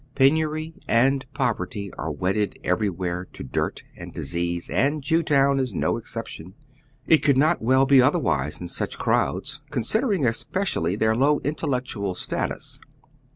Penury and poverty are wedded everywhere to dirt and oyGooglc 108 HOW THE OTHEB HALF LIVES. disease, aad Jewtown is no exception. It could not well be otherwise in such crowds, considering especially their low intellectual status.